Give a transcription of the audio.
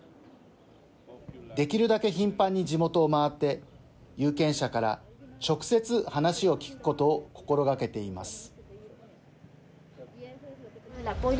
できるだけ頻繁に地元を回って有権者から直接、話を聞くことを心がけています。